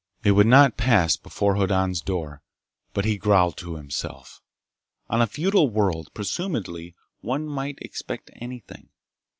It would not pass before Hoddan's door, but he growled to himself. On a feudal world, presumably one might expect anything.